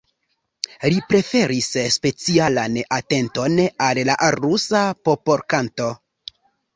Li preferis specialan atenton al la rusa popolkanto.